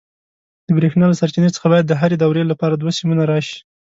د برېښنا له سرچینې څخه باید د هرې دورې لپاره دوه سیمونه راشي.